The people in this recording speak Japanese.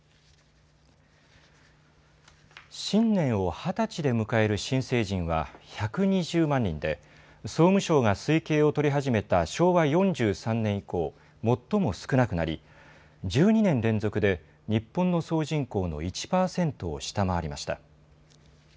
新年を二十歳で迎える新成人は１２０万人で総務省が推計を取り始めた昭和４３年以降、最も少なくなり１２年連続で日本の総人口の１％を下回りました。